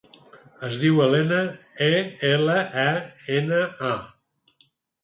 Es diu Elena: e, ela, e, ena, a.